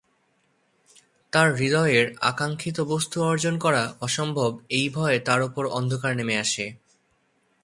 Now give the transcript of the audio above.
তার হৃদয়ের আকাঙ্ক্ষিত বস্তু অর্জন করা অসম্ভব এই ভয়ে তার ওপর অন্ধকার নেমে আসে।